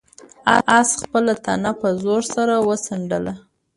آس خپله تنه په زور سره وڅنډله.